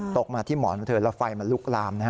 ตกมาที่หมอนเถอะแล้วไฟมันลุกลาม